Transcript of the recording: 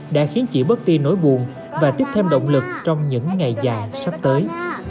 đã khiến chị bớt đi nỗi buồn và tiếp thêm động lực trong những ngày già sắp tới